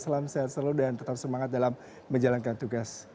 salam sehat selalu dan tetap semangat dalam menjalankan tugas